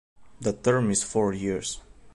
The term is four years.